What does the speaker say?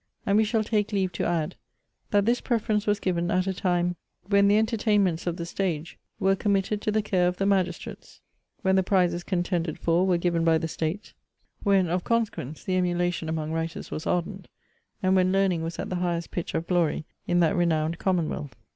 And we shall take leave to add, that this preference was given at a time when the entertainments of the stage were committed to the care of the magistrates; when the prizes contended for were given by the state; when, of consequence, the emulation among writers was ardent; and when learning was at the highest pitch of glory in that renowned commonwealth.